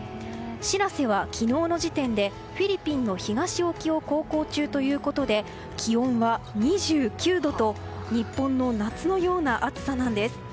「しらせ」は昨日の時点でフィリピンの東沖を航行中ということで気温は２９度と日本の夏のような暑さなんです。